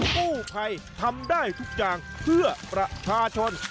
กู้ภัยทำได้ทุกอย่างเพื่อประชาชน